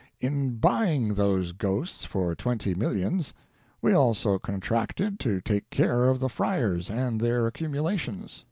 ] In buying those ghosts for twenty millions, we also contracted to take care of the friars and their accumulations.